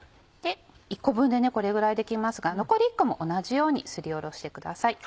１個分でこれぐらいできますが残り１個も同じようにすりおろしてください。